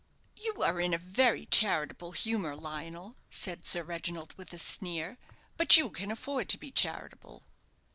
"You are in a very charitable humour, Lionel," said Sir Reginald, with a sneer; "but you can afford to be charitable."